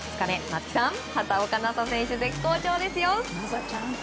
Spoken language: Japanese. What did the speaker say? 松木さん、畑岡奈紗選手絶好調ですよ。